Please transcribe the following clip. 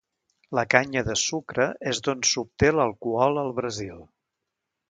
La canya de sucre és d'on s'obté l'alcohol al Brasil.